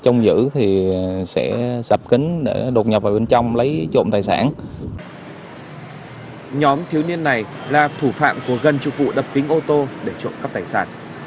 nhóm thiếu niên này là thủ phạm của gần chục vụ đập kính ô tô để trộm cắp tài sản